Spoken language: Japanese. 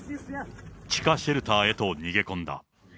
地下シェルターへと逃げ込んだ。